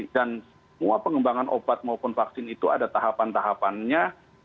dan semua pengembangan obat maupun vaksin itu ada tahapan tahapannya